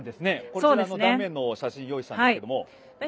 こちらの断面の写真用意したんですけども。